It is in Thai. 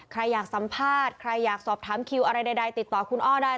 ใครอยากสัมภาษณ์ใครอยากสอบถามคิวอะไรใดติดต่อคุณอ้อได้